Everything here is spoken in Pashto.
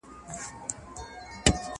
نه اثر وکړ دوا نه تعویذونو،